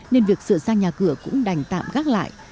nên việc sửa ra nhà cửa cũng đành tạm gác lại